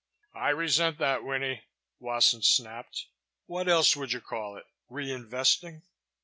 "I resent that, Winnie," Wasson snapped. "What else would you call it? Reinvesting?"